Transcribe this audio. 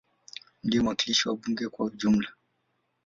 Ndiye mwakilishi wa bunge kwa ujumla.